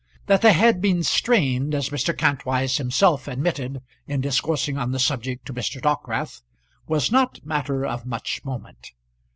That they had been "strained," as Mr. Kantwise himself admitted in discoursing on the subject to Mr. Dockwrath, was not matter of much moment.